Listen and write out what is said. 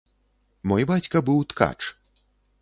Мой бацька быў ткач.